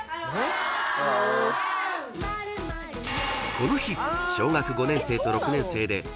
［この日］